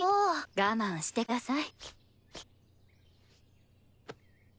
我慢してください。